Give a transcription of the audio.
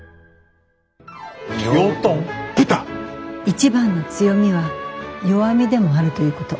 一番の強みは弱みでもあるということ。